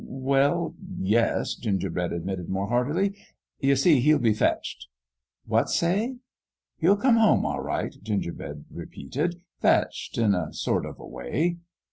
"Well, yes/' Gingerbread admitted, more heartily; "you see, he'll be fetched" "What say?" " He'll come home, all right," Gingerbread repeated, " fetched in a sort of a way."